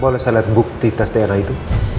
boleh saya lihat bukti tes dna itu